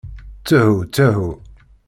Ttehu, ttehu.